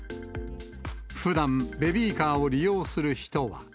ふだん、ベビーカーを利用する人は。